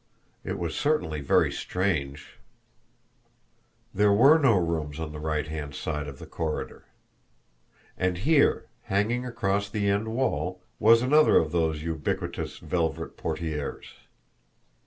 It was certainly very strange! There WERE no rooms on the right hand side of the corridor. And here, hanging across the end wall, was another of those ubiquitous velvet portieres.